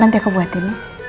nanti aku buatin ya